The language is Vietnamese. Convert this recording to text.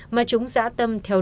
mà chúng dã tâm theo đuổi suốt đời